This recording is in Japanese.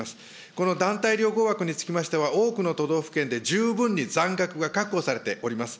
この団体旅行枠につきましては、多くの都道府県で十分に残額が確保されております。